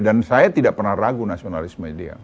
dan saya tidak pernah ragu nasionalisme dia